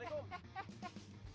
dia serius nih ngapain gua